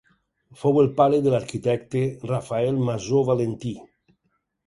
Fou el pare de l'arquitecte Rafael Masó Valentí.